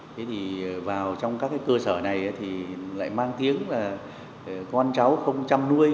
thế thì vào trong các cơ sở này thì lại mang tiếng là con cháu không chăm nuôi